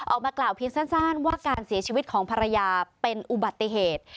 ออกมากล่าวเพียงสั้นว่าการเสียชีวิตของภรรยาเป็นอุบัติเหตุ